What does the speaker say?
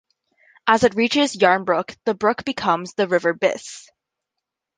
As it reaches Yarnbrook the brook becomes the River Biss.